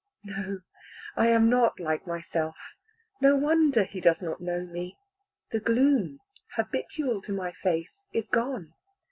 No, I am not like myself. No wonder he does not know me. The gloom habitual to my face is gone.